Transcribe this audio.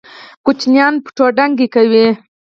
ماشومان پټ پټانې کوي.